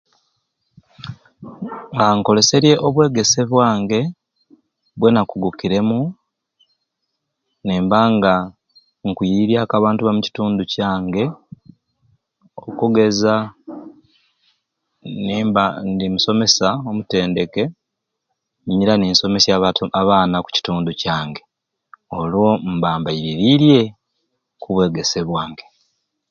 Aaa nkoleserye obwegesye bwange bwenakugukiremu nimbanga nkwiriryaku abantu aba mukitundu kyange okugeza nimba ndi musomesya omutendeke, nyira ninsomesya abato abaana oku kitundu kyange olwo mba mbairirirye oku bwegesye bwange.